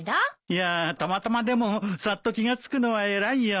いやたまたまでもさっと気が付くのは偉いよ。